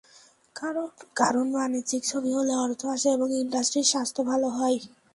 কারণ, বাণিজ্যিক ছবি হলে অর্থ আসে এবং ইন্ডাস্ট্রির স্বাস্থ্য ভালো হয়।